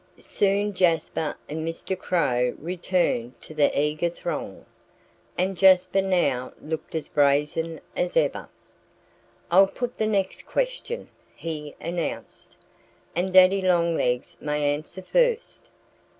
Soon Jasper and Mr. Crow returned to the eager throng. And Jasper now looked as brazen as ever. "I'll put the next question," he announced. "And Daddy Longlegs may answer first....